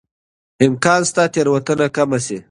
امکان شته تېروتنه کمه شي.